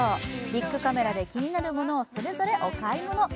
ビックカメラで気になるものをそれぞれお買い物。